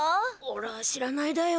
おら知らないだよ。